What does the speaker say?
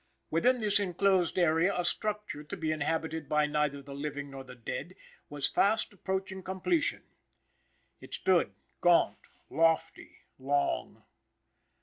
Within this enclosed area a structure to be inhabited by neither the living nor the dead was fast approaching completion. It stood gaunt, lofty, long.